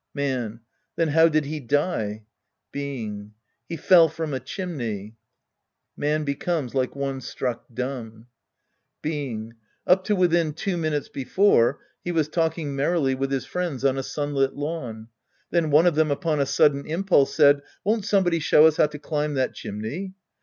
Man. Then how did he die ? Being. He fell from a chimney. {Man becomes like one struck dumb.) Being. Up to within two minutes before, he was talking merrily with his friends on a sunlit lawn. Then one of them, upon a sudden impulse, said, " Won't somebody show us how to climb that chim ney?